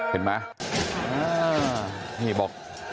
เห็นไหมอ่าเฮ่ยบอก